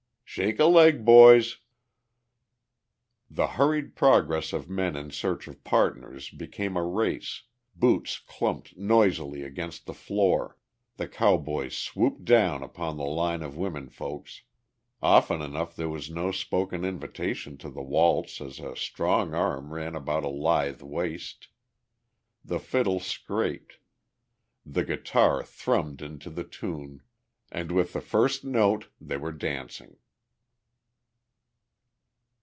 "Shake a leg, boys!" The hurried progress of men in search of "pardners" became a race, boots clumped noisily against the floor, the cowboys swooped down upon the line of women folks, often enough there was no spoken invitation to the waltz as a strong arm ran about a lithe waist, the fiddle scraped, the guitar thrummed into the tune, and with the first note they were dancing.